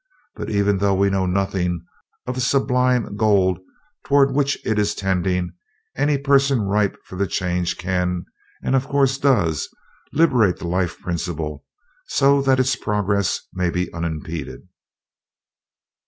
But even though we know nothing of the sublime goal toward which it is tending, any person ripe for the Change can, and of course does, liberate the life principle so that its progress may be unimpeded."